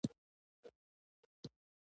د ځمکې ګردي شکل له قطبونو لیدل کېږي.